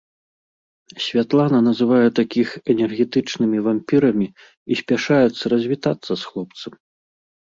Святлана называе такіх энергетычнымі вампірамі і спяшаецца развітацца з хлопцам.